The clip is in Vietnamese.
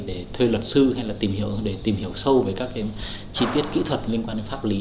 để thuê luật sư hay là tìm hiểu sâu về các cái chi tiết kỹ thuật liên quan đến pháp lý